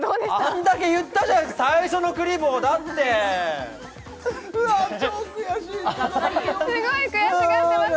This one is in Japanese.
あんだけ言ったじゃない最初のクリボーだってわあ超悔しいすごい悔しがってます